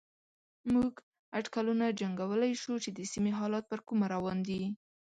موږ اټکلونه جنګولای شو چې د سيمې حالات پر کومه روان دي.